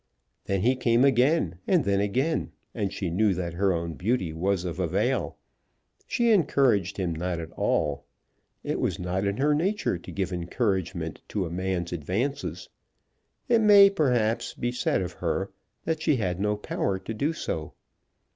Then he came again, and then again, and she knew that her own beauty was of avail. She encouraged him not at all. It was not in her nature to give encouragement to a man's advances. It may, perhaps, be said of her that she had no power to do so.